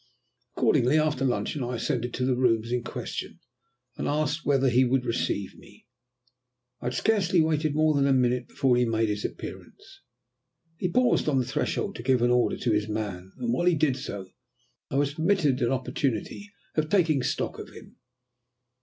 Accordingly, after luncheon I ascended to the rooms in question, and asked whether he would receive me. I had scarcely waited more than a minute before he made his appearance. He paused on the threshold to give an order to his man, and while he did so, I was permitted an opportunity of taking stock of him.